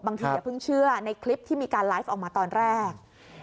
อย่าเพิ่งเชื่อในคลิปที่มีการไลฟ์ออกมาตอนแรก